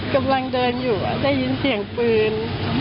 กำลังเดินอยู่ได้ยินเสียงปืน